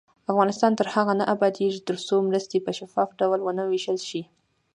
افغانستان تر هغو نه ابادیږي، ترڅو مرستې په شفاف ډول ونه ویشل شي.